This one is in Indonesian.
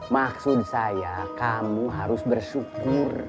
maksud saya kamu harus bersyukur